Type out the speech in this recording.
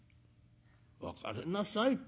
「別れなさいって」。